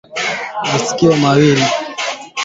Mambo yanayosababisha ugonjwa wa ndigana kali